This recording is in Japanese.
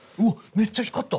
めっちゃ光った！